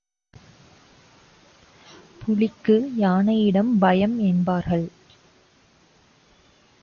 புலிக்கு, யானையிடம் பயம் என்பார்கள்.